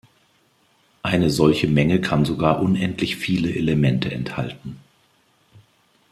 Eine solche Menge kann sogar unendlich viele Elemente enthalten.